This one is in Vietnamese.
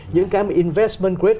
những cái investment grade